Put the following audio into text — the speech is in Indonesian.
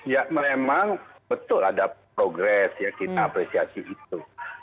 ya memang betul ada progres ya kita apresiasi itu